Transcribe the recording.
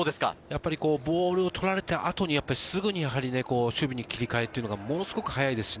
ボールを取られた後に、すぐに守備に切り替えというのがものすごく早いです。